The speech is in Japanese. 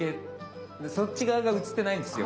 そっち側が写ってないんですよ